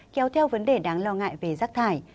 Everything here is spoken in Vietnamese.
kéo theo vấn đề đáng lo ngại về rác thải